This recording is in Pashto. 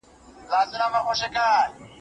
په افغانستان کې اداري فساد هم شته.